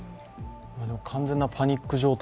完全なパニック状態